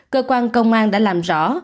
cơ quan công an đã làm rõ